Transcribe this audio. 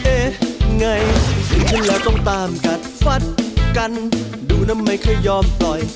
เอ๊ะไงเห็นฉันแล้วต้องตามกัดฟัดกันดูนะไม่เคยยอมปล่อย